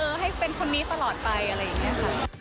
ให้เป็นคนนี้ตลอดไปอะไรอย่างนี้ค่ะ